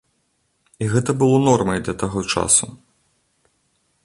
І гэта было нормай для таго часу.